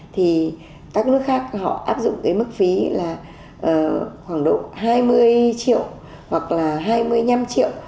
thì các nước khác họ áp dụng cái mức phí là khoảng độ hai mươi triệu hoặc là hai mươi năm triệu